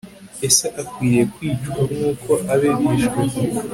ese akwiriye kwicwa nk'uko abe bishwe